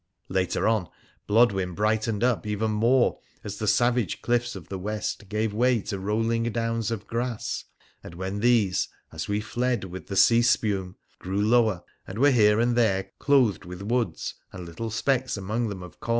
Later on, Blodwen brightened up even more as the savage cliffs of the west gave way to rolling downs of grass, and when these, as we fled with the sea spume, grew lower, and were here and there clothed with woods, and little specks amonc +v>™~ e ~_.